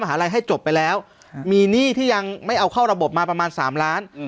หาลัยให้จบไปแล้วมีหนี้ที่ยังไม่เอาเข้าระบบมาประมาณสามล้าน